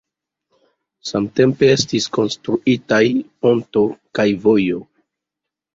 Samtempe estis konstruitaj ponto kaj vojo.